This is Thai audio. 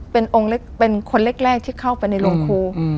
เป็นคนเล็กที่เข้าไปในโรงครู